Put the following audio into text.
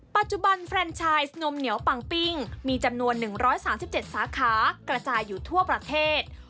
แฟนชายนมเหนียวปังปิ้งมีจำนวน๑๓๗สาขากระจายอยู่ทั่วประเทศ